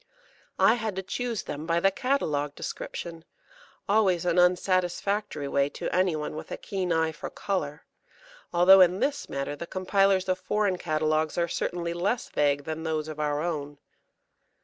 I had to choose them by the catalogue description always an unsatisfactory way to any one with a keen eye for colour, although in this matter the compilers of foreign catalogues are certainly less vague than those of our own.